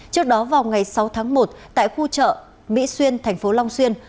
trước đó vào ngày sáu tháng một tại khu chợ mỹ xuyên thành phố long xuyên